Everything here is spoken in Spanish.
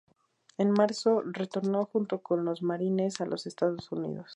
En marzo, retornó junto con los marines a los Estados Unidos.